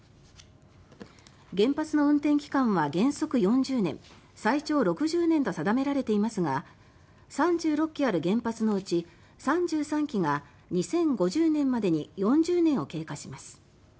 原発の運転期間は原則４０年、最長６０年と定められていますが３６基ある原発のうち３３基が２０５０年までに４０年を経過します。